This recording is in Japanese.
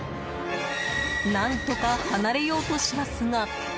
何とか離れようとしますが。